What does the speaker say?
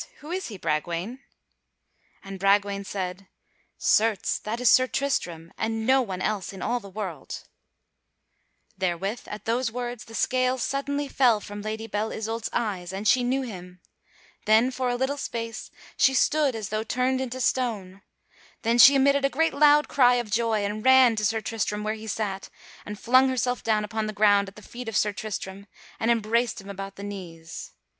Who is he, Bragwaine?" And Bragwaine said: "Certes, that is Sir Tristram, and no one else in all the world." [Sidenote: Belle Isoult knows Sir Tristram] Therewith, at those words, the scales suddenly fell from Lady Belle Isoult's eyes and she knew him. Then, for a little space, she stood as though turned into stone; then she emitted a great loud cry of joy and ran to Sir Tristram where he sat, and flung herself down upon the ground at the feet of Sir Tristram and embraced him about the knees.